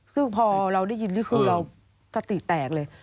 ซึ่งพอเราได้ยินก็คือเราสติแตกเลย